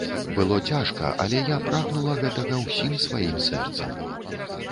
Было цяжка, але я прагнула гэтага ўсім сваім сэрцам.